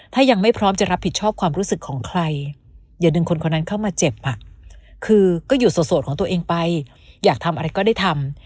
ถ้ายังไม่พร้อมจะรับผิดชอบความรู้สึกของใครอย่าดึงคนคนนั้นเข้ามาเจ็บคือก็อยู่โสดของตัวเองไปอยากทำอะไรก็ได้ทำ